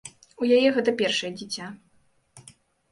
У яе гэта першае дзіця.